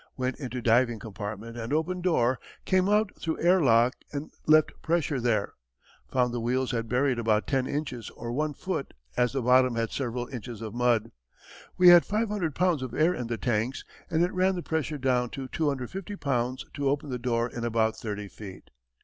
Went into diving compartment and opened door; came out through air lock, and left pressure there; found the wheels had buried about ten inches or one foot, as the bottom had several inches of mud. We had 500 pounds of air in the tanks, and it ran the pressure down to 250 pounds to open the door in about thirty feet.